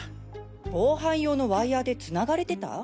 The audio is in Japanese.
防犯用のワイヤーで繋がれてた？